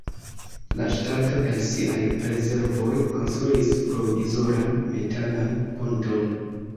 La ŝtato el siaj rezervoj konstruis provizoran metalan ponton.